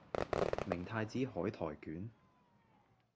明太子海苔捲